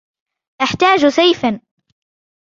أحتاج سيفا.